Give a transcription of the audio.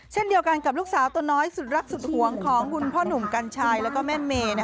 เช่นเดียวกันกับลูกสาวตัวน้อยสุดรักสุดหวงของคุณพ่อหนุ่มกัญชัยแล้วก็แม่เมย์